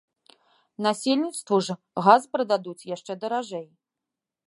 Насельніцтву ж газ прададуць яшчэ даражэй.